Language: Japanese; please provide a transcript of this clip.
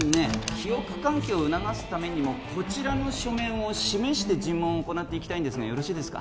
記憶喚起を促すためにもこちらの書面を示して尋問を行っていきたいんですがよろしいですか？